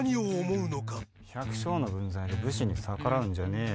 百姓の分際で武士に逆らうんじゃねえよ